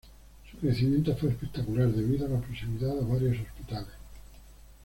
Su crecimiento fue espectacular debido a la proximidad a varios hospitales.